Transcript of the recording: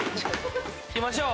いきましょう。